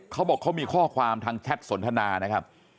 เขาบอกเขามีข้อความทางแชทสนทนานะครับ